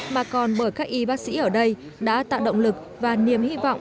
mà còn bởi các y bác sĩ ở đây đã tạo động lực và niềm hy vọng